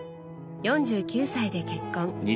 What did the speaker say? ４９歳で結婚。